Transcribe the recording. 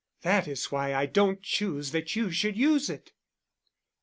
"That is why I don't choose that you should use it."